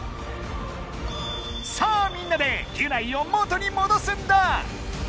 さあみんなでギュナイを元にもどすんだ！